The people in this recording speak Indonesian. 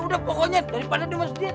udah pokoknya daripada dimasukin